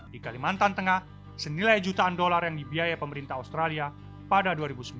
di kalimantan tengah senilai jutaan dolar yang dibiaya pemerintah australia pada dua ribu sembilan